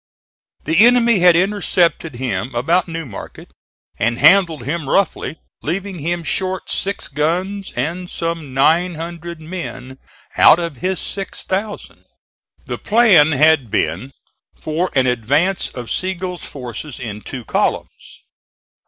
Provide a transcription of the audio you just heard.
The enemy had intercepted him about New Market and handled him roughly, leaving him short six guns, and some nine hundred men out of his six thousand. The plan had been for an advance of Sigel's forces in two columns.